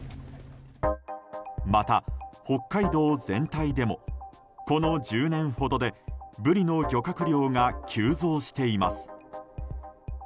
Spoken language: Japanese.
また北海道全体でもこの１０年ほどでブリの漁獲量が急増しています。